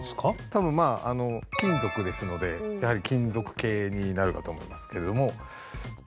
多分まあ金属ですのでやはり金属系になるかと思いますけれども。